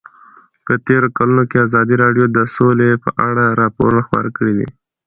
په تېرو کلونو کې ازادي راډیو د سوله په اړه راپورونه خپاره کړي دي.